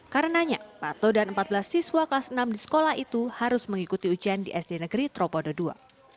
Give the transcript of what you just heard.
karenanya pato dan empat belas siswa kelas enam di sekolah itu harus mengikuti ujian di sd negeri tropodo ii